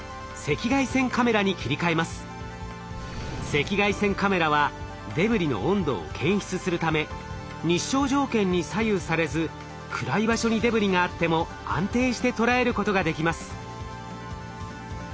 赤外線カメラはデブリの温度を検出するため日照条件に左右されず暗い場所にデブリがあっても安定して捉えることができます。